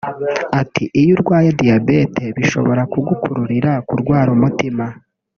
Ati”iyo urwaye diyabete bishobora kugukururira kurwara umutima